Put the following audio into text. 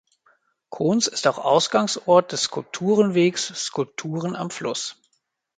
Konz ist auch Ausgangsort des Skulpturenwegs Skulpturen am Fluss.